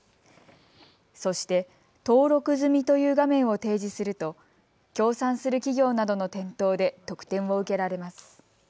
そして、登録済みという画面を提示すると協賛する企業などの店頭で特典を受けられます。